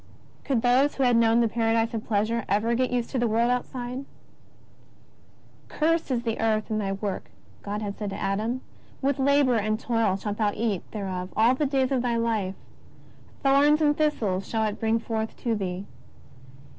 Could those who had known the paradise of pleasure ever get used to the world outside !" Cursed is the earth in thy work," God had said to Adam ;^' with labour and toil shalt thou eat thereof all the days of thy life. Thorns and thistles shall it bring forth to thee.